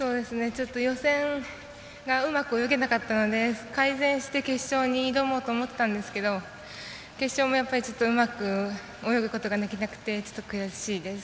ちょっと予選がうまく泳げなかったので改善して決勝に挑もうと思ったんですけど決勝もうまく泳ぐことができなくてちょっと悔しいです。